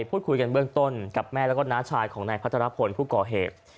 พูดคุยกันเบื้องต้นกับแม่แล้วก็น้าชายของนายพัทรพลผู้ก่อเหตุ